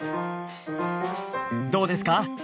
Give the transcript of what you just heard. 「どうですか？